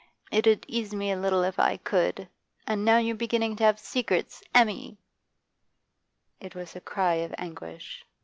It 'ud ease me a little if I could. And now you're beginning to have secrets. Emmy!' It was a cry of anguish.